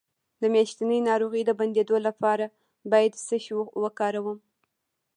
د میاشتنۍ ناروغۍ د بندیدو لپاره باید څه شی وکاروم؟